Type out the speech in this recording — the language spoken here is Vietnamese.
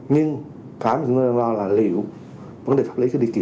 nhưng khá là chúng ta đang lo là liệu vấn đề pháp lý có đi kịp hay không